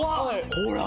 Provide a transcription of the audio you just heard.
ほら！